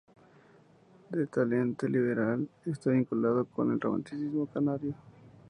De talante liberal, está vinculado con el romanticismo canario.